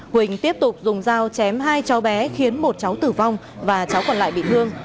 huỳnh tiếp tục dùng dao chém hai cháu bé khiến một cháu tử vong và cháu còn lại bị thương